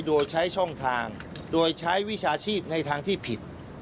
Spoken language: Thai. โดยใช้ช่องทางโดยใช้วิชาชีพในทางที่ผิด